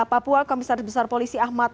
papua komisaris besar polisi ahmad